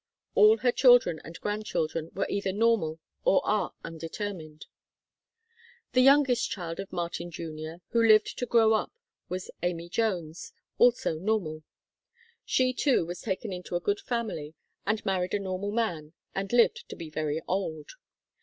All her children and grandchildren were either normal or are undetermined. The youngest child of Martin Jr. who lived to grow up was Amy Jones, also normal. (Chart VIII.) She, too, was taken into a good family and married a normal man, and lived to be very old.